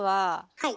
はい。